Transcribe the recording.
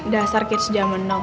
dasar kids jaman neng